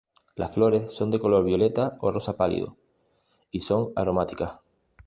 Las flores son de color violeta o rosa pálido y son aromáticas.